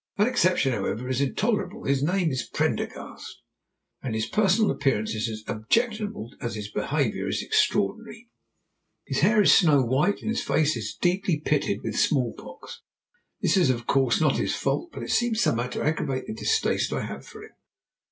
That exception, however, is intolerable; his name is Prendergast, and his personal appearance is as objectionable as his behaviour is extraordinary; his hair is snow white, and his face is deeply pitted with smallpox. This is, of course, not his fault, but it seems somehow to aggravate the distaste I have for him.